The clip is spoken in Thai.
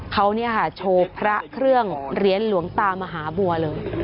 เขาโชว์พระเครื่องเหรียญหลวงตามหาบัวเลย